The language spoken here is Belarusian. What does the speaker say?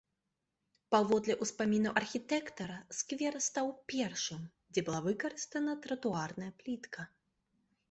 Паводле ўспамінаў архітэктара, сквер стаў першым, дзе была выкарыстана тратуарная плітка.